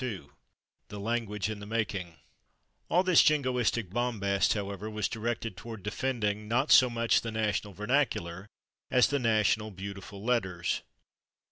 § 2 /The Language in the Making/ All this jingoistic bombast, however, was directed toward defending, not so much the national vernacular as the national beautiful letters.